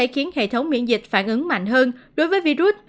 khiến hệ thống miễn dịch phản ứng mạnh hơn đối với virus